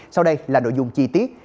sau đây là nội dung chi tiết